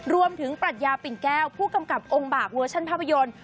ปรัชญาปิ่นแก้วผู้กำกับองค์บากเวอร์ชันภาพยนตร์